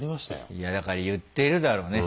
いやだから言ってるだろうね